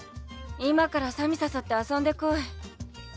今からさみ誘って遊んでこい。